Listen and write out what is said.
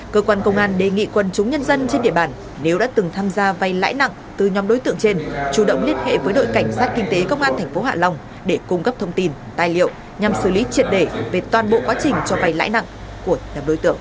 cơ quan công an đề nghị quân chúng nhân trên địa bàn nếu đã từng tham gia vai lãi nặng trong giao dịch dân sự đồng thời tiếp tục điều tra mở rộng vụ án